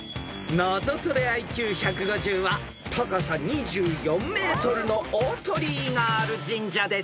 ［ナゾトレＩＱ１５０は高さ２４ｍの大鳥居がある神社です］